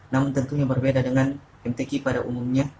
namun tentunya berbeda dengan mtk pada umumnya